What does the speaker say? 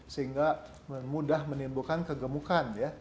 sehingga mudah menimbulkan kegemukan